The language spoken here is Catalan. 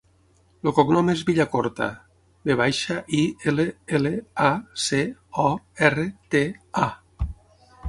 El cognom és Villacorta: ve baixa, i, ela, ela, a, ce, o, erra, te, a.